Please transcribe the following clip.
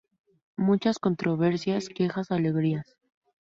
Muchas controversias, quejas, alegrías.